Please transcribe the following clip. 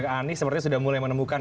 jadi ini sepertinya sudah mulai menemukan